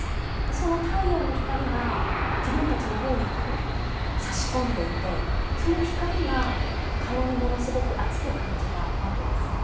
その太陽の光が自分たちの方にさし込んでいてその光が顔にものすごく熱く感じたわけです。